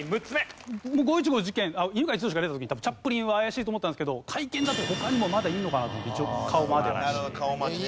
五・一五事件犬養毅が出た時に多分チャップリンは怪しいと思ったんですけど会見だと他にもまだいるのかなと思って一応顔までは。なるほど顔までね。